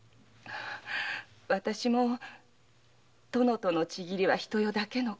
私も殿との契りは一夜だけの事。